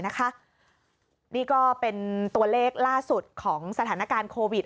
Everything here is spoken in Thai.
นี่ก็เป็นตัวเลขล่าสุดของสถานการณ์โควิด